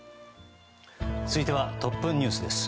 続いてはトップニュースです。